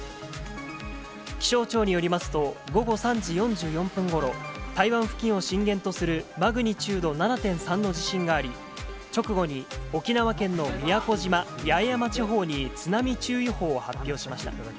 気象庁によりますと、午後３時４４分ごろ、台湾付近を震源とするマグニチュード７．３の地震があり、直後に、沖縄県の宮古島・八重山地方に津波注意報を発表しました。